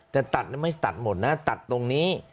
แต่ตัดไม่ตัดหมดนะตัดตรงนี้